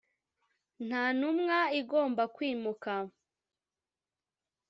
nta ntumwa igomba kwimuka